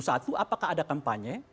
satu apakah ada kampanye